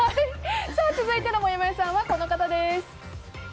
続いてのもやもやさんはこの方です。